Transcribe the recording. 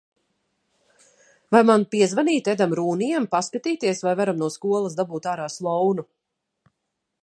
Vai man piezvanīt Edam Rūnijam, paskatīties, vai varam no skolas dabūt ārā Slounu?